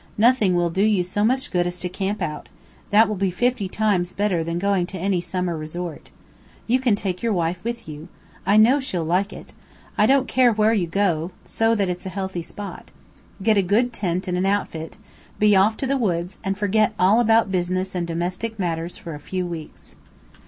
Nothing will do you so much good as to camp out; that will be fifty times better than going to any summer resort. You can take your wife with you. I know she'll like it. I don't care where you go so that it's a healthy spot. Get a good tent and an outfit, be off to the woods, and forget all about business and domestic matters for a few weeks."